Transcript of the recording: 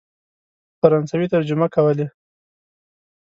په فرانسوي ترجمه کولې.